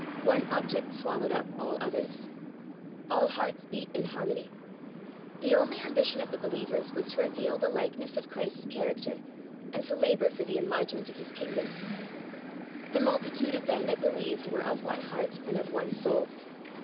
One object swallowed up all others. All hearts beat in harmon\\ The only ambition of the i.\( ts5:3i sZech. 12:8 The Pearl 121 believers was to reveal the likeness of Christ's character, and to labor for the enlargement of His kingdom. "The multitude of them that believed were of one heart and of one soul.